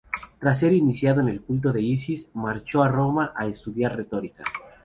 Tras ser iniciado en el culto de Isis, marchó a Roma a estudiar retórica.